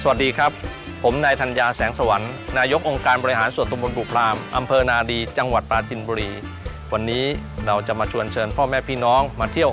สวัสดีครับผมนายธัญญาแสงเสวัญ